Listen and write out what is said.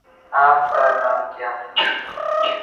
آپ کا نام کیا